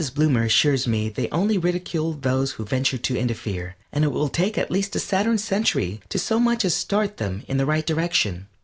Bloomer assures me they only ridicule those who venture to interfere, and it will take at least a Saturn century to so much as start them in the right direction.